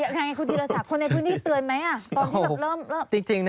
อย่างไรคุณธีรศัพท์คนในพื้นที่เตือนไหม